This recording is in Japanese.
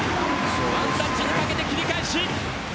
ワンタッチにかけて切り返し。